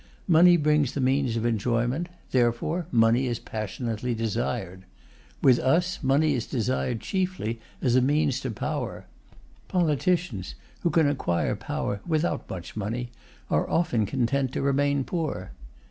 Money brings the means of enjoyment, therefore money is passionately desired. With us, money is desired chiefly as a means to power; politicians, who can acquire power without much money, are often content to remain poor.